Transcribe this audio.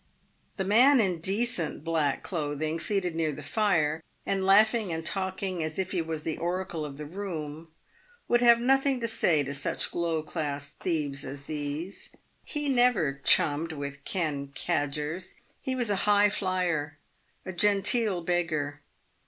The man in decent black clothing, seated near the fire, and laughing and talking as if he was the oracle of the room, would have nothing to say to such low class thieves as these. He never "chummed with ken cadgers." He was a " high flier," a genteel beggar.